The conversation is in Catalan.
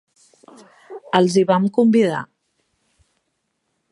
Els hi vam convidar.